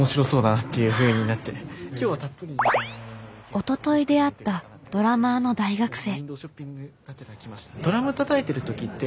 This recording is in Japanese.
おととい出会ったドラマーの大学生。